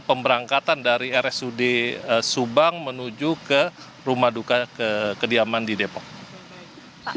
pemberangkatan dari rsud subang menuju ke rumah duka ke kediaman di depok